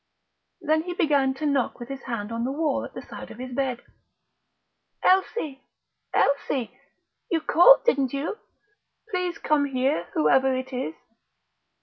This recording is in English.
Then he began to knock with his hand on the wall at the side of his bed. "Elsie!... Elsie!... You called, didn't you?... Please come here, whoever it is!..."